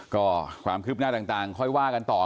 ก็ความครึบหน้าต่างค่อยว่ากันต่อแล้วกัน